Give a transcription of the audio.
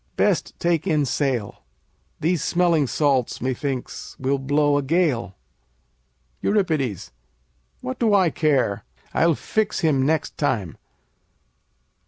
Best take in sail. These smelling salts, methinks, will blow a gale. Eur. What do I care? I'll fix him next time.